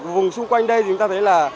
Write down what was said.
vùng xung quanh đây chúng ta thấy là